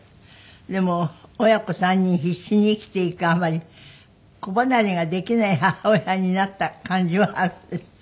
でも親子３人必死に生きていくあまり子離れができない母親になった感じはあるんですって？